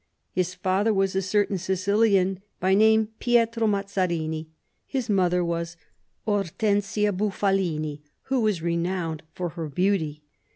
His father was a certain Sicilian, by name Pietro Mazarini, his mother was Hortensia Buffalini, who was renowned for her beauty.